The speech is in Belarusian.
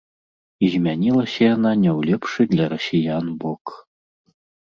І змянілася яна не ў лепшы для расіян бок.